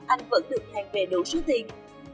anh vẫn được hàng về đủ số tiền